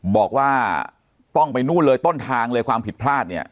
บอกว่าต้องไปนู่นเลยต้นทางเลยความผิดพลาดเนี่ย